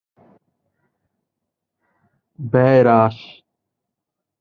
খ. ব্যয় হ্রাস